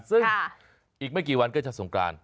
ซึ่งอีกไม่กี่วันก็จะสงกราน